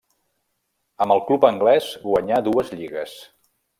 Amb el club anglès guanyà dues lligues.